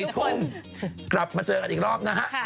๔ทุ่มกลับมาเจอกันอีกรอบนะฮะ